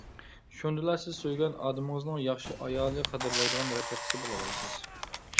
شۇندىلا سىز سۆيگەن ئادىمىڭىزنىڭ ياخشى ئايالى قەدىرلەيدىغان رەپىقىسى بولالايسىز.